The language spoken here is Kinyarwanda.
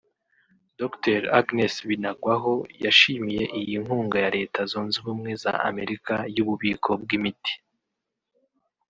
Dr Agnes Binagwaho yashimiye iyi nkunga ya Leta zunze ubumwe za Amerika y’ububiko bw’imiti